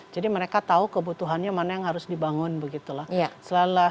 jadi mereka tahu kebutuhannya mana yang harus dibangun begitulah